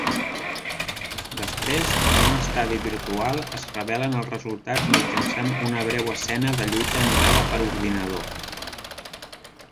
Després, en un estadi virtual, es revelen els resultats mitjançant una breu escena de lluita animada per ordinador.